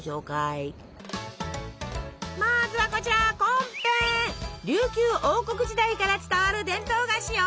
まずはこちら琉球王国時代から伝わる伝統菓子よ。